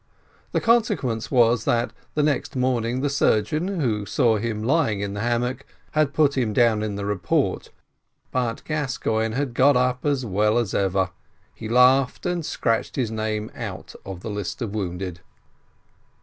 The consequence was, that the next morning the surgeon, who saw him lying in the hammock, had put him down in the report; but as Gascoigne had got up as well as ever, he laughed, and scratched his name out of the list of wounded.